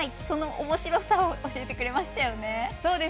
そのおもしろさを教えてくれましたよね。